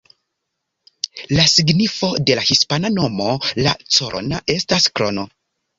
La signifo de la hispana nomo ""La Corona"" estas ""Krono"".